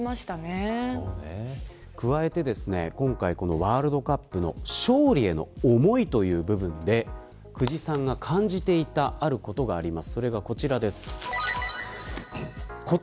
加えて、今回ワールドカップの勝利への思いという部分で久慈さんが感じていたあることがあります。